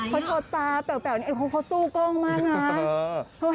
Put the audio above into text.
เขาโชว์ตาแป๋วเขาสู้กล้องมากนะ